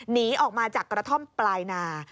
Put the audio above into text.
หนีออกมาจากกระท่อมปลายนา